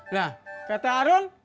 lah kata harun